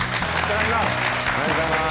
おはようございます。